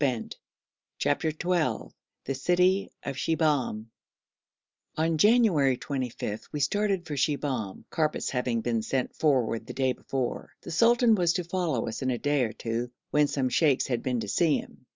100.] CHAPTER XII THE CITY OF SHIBAHM On January 25 we started for Shibahm, carpets having been sent forward the day before. The sultan was to follow us in a day or two, when some sheikhs had been to see him.